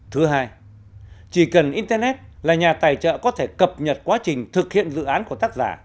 thứ hai chỉ cần internet là nhà tài trợ có thể cập nhật quá trình thực hiện dự án của tác giả